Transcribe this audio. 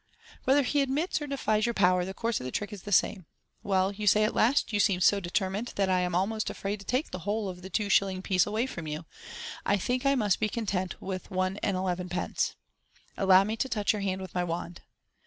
Whether he admits or defies your power, the course of the trick is the same *<« MODERN MAGIC. "Well," you say at last, "you seem so determined that I am almost afraid to take the whole of the two shilling piece away from you, I think I must be content with one and elevenpence. Allow me to touch your hand with my wand."